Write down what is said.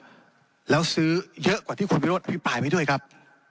เหมือนเดิมครับแล้วซื้อเยอะกว่าที่ควรพิโรธพิปรายไว้ด้วยครับ